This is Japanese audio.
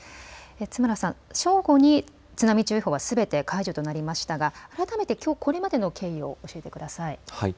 津村さん、正午に津波注意報はすべて解除となりましたが改めてきょうこれまでの経緯を教えてください。